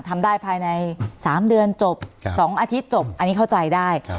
ทำได้ภายใน๓เดือนจบ๒อาทิตย์จบอันนี้เข้าใจได้